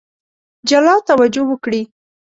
جلا توجه وکړي.